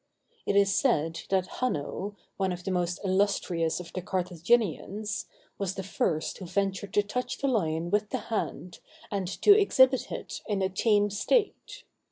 It is said that Hanno, one of the most illustrious of the Carthaginians, was the first who ventured to touch the lion with the hand, and to exhibit it in a tame state.